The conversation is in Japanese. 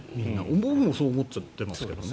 僕もそう思っちゃってますけどね。